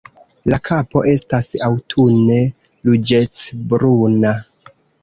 La kapo estas aŭtune ruĝecbruna.